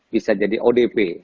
bisa jadi odp